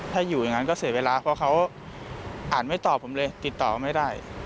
ถ้าอยู่อย่างนั้นก็เสียเวลาเพราะเขาอ่านไม่ตอบผมเลยติดต่อไม่ได้